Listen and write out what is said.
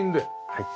はい。